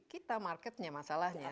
kita marketnya masalahnya